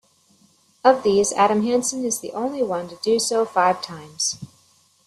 Of these, Adam Hansen is the only one to do so five times.